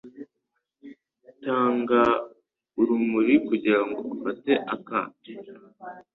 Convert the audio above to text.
Tanga urumuri kugirango ufate akato